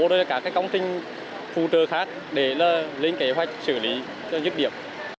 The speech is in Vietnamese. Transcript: rồi cả các công trình phụ trợ khác để lên kế hoạch xử lý cho dứt điểm